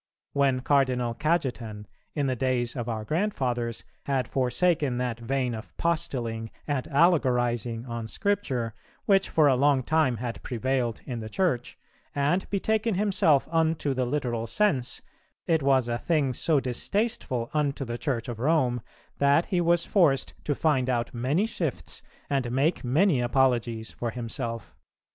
When Cardinal Cajetan, in the days of our grandfathers, had forsaken that vein of postilling and allegorizing on Scripture, which for a long time had prevailed in the Church, and betaken himself unto the literal sense, it was a thing so distasteful unto the Church of Rome that he was forced to find out many shifts and make many apologies for himself.